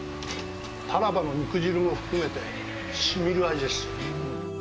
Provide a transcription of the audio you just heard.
タラバの肉汁も含めて、しみる味です。